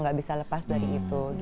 gak bisa lepas dari itu